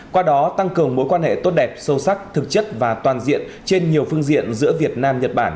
qua đó tăng cường mối quan hệ tốt đẹp sâu sắc thực chất và toàn diện trên nhiều phương diện giữa việt nam nhật bản